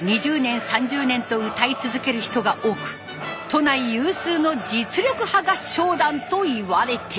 ２０年３０年と歌い続ける人が多く都内有数の実力派合唱団といわれてます。